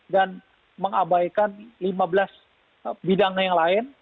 dan mengabaikan lima belas bidang yang lain